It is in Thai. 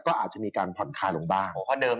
ก็อาจจะมีการปล่อนคาโบ้งบ้าง